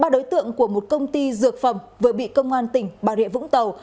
ba đối tượng của một công ty dược phẩm vừa bị công an tỉnh bà rịa vũng tàu